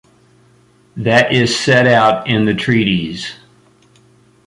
That is set out in the treaties.